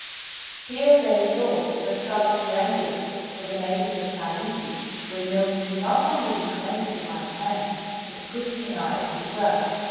Here they thought their troubles were ended, for the natives of Tahiti were known to not only be friendly to white men, but Christianised as well.